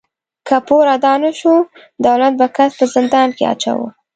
که پور ادا نهشو، دولت به کس په زندان کې اچاوه.